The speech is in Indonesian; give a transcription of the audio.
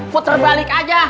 puter balik aja